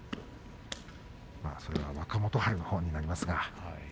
それは若元春のほうになりますが。